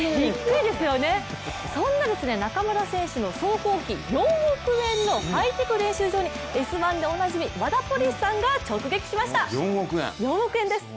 そんな中村選手の総工費４億円のハイテク練習場に「Ｓ☆１」でおなじみワダポリスさんが直撃しました。